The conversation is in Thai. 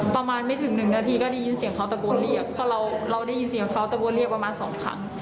ประมาณไม่ถึงหนึ่งนาทีก็ได้ยินเสียงเขาตะโกนเรียกเพราะเราได้ยินเสียงเขาตะโกนเรียกประมาณสองครั้ง